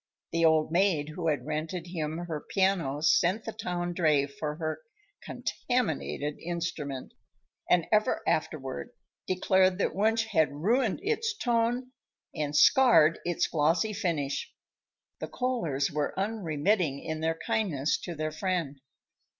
The old maid who had rented him her piano sent the town dray for her contaminated instrument, and ever afterward declared that Wunsch had ruined its tone and scarred its glossy finish. The Kohlers were unremitting in their kindness to their friend.